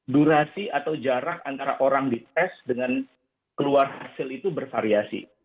durasi atau jarak antara orang dites dengan keluar hasil itu bervariasi